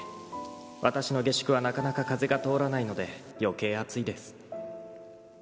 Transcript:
「わたしの下宿はなかなか風が通らないので余計暑いです」